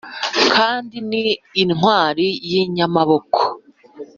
kandi ni intwari y’inyamaboko